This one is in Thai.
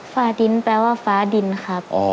ฟ้าดินแปลว่าฟ้าดินครับ